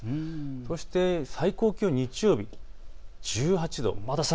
そして最高気温、日曜日、１８度。